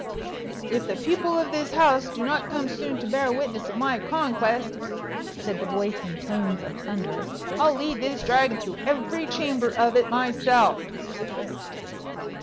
"If the people of this house do not come soon to bear witness of my conquest," said the voice in tones of thunder, "I'll lead this Dragon through every chamber of it myself."